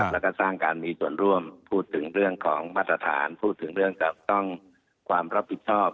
แล้วก็สร้างการมีส่วนร่วมพูดถึงเรื่องของมาตรฐานพูดถึงเรื่องกับต้องความรับผิดชอบ